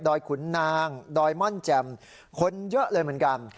ขุนนางดอยม่อนแจ่มคนเยอะเลยเหมือนกัน